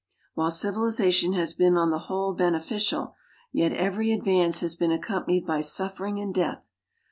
While civilization has been on the whole beneficial, yet every advance has been accompanied by suffering and death.